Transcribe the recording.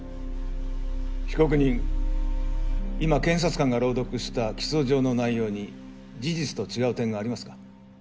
被告人今検察官が朗読した起訴状の内容に事実と違う点がありますか？